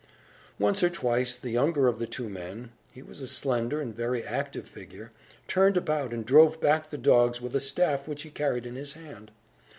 Once or twice, the younger of the two men (he was a slender and very active figure) turned about and drove back the dogs with a staff which he carried in his hand.